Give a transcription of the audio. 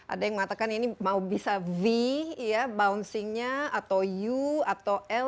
ada yang mengatakan ini bisa v bouncing nya atau u atau l